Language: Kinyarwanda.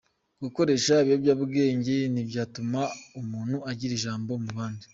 Gukoresha ibiyobyabwenge ntibyatuma umuntu agira ijambo mu bandi